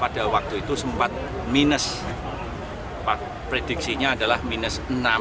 pada waktu itu sempat minus prediksinya adalah minus enam